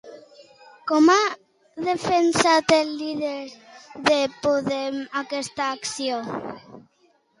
Com ha defensat el líder de Podem aquesta acció?